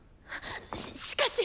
ししかし。